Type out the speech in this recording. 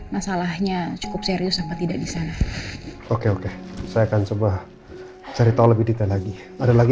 masalahnya cukup serius apa tidak di sana oke oke saya akan coba cari tahu lebih detail lagi ada lagi